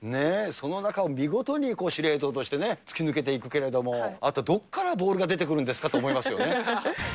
その中を見事に司令塔としてね、突き抜けていくけれども、あとどっからボールが出てくるんですかって思いますよね。